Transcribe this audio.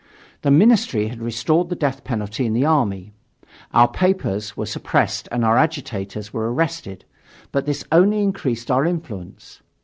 The ministry had restored the death penalty in the army. Our papers were suppressed and our agitators were arrested; but this only increased our influence.